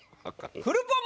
フルポン